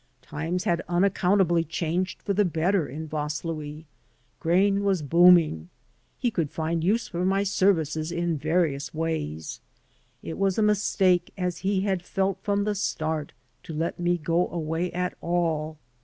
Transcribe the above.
Times had unaccountably changed for the better in Vaslui. Grain was booming. He could find use for my services in various ways. It was a mistake, as he had felt from the start, to let me go away at all.